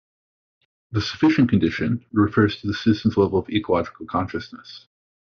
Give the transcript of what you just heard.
The sufficient condition refers to the citizens' level of ecological consciousness.